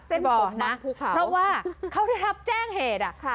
เซ็นขมบันทึกเขาเพราะว่าเขาได้รับแจ้งเหตุอ่ะค่ะ